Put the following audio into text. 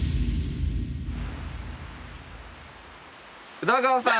宇田川さん。